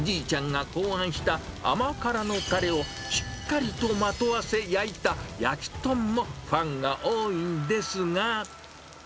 おじいちゃんが考案した甘辛のたれをしっかりとまとわせ焼いたやきとんのファンが多いんですが。